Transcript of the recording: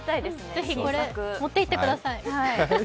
ぜひこれ、持っていってください。